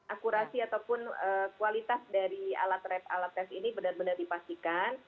akurasi ataupun kualitas dari alat rab alat tes ini benar benar dipastikan